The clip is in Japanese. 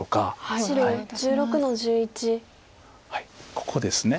ここです。